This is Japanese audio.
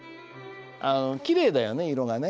あのきれいだよね色がね。